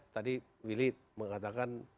tadi willy mengatakan